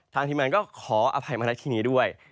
ทางทีมันก็ขออภัยมารัฐกินีด้วย